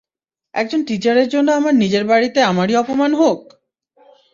একজন টিচারের জন্য আমার নিজের বাড়িতে আমারই অপমান হোক?